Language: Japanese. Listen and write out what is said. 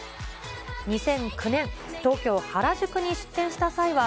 ２００９年、東京・原宿に出店した際は、